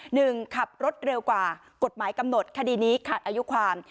หนึ่งขับรถเร็วกว่ากฎหมายกำหนดคดีนี้ขาดอายุความ